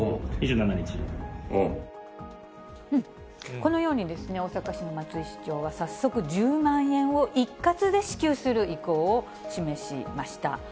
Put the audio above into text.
このように大阪市の松井市長は、早速１０万円を一括で支給する意向を示しました。